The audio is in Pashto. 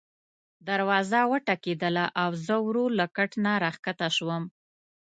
دروازه وټکېدله او زه ورو له کټ نه راکښته شوم.